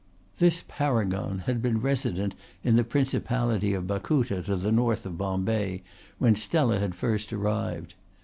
This paragon had been Resident in the Principality of Bakuta to the north of Bombay when Stella had first arrived.